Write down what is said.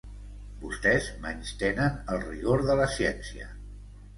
Vostès menystenen el rigor de la ciència.